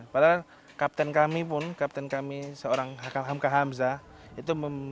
padahal kapten kami pun kapten kami seorang hakal hamka hamzah itu